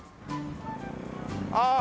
ああ！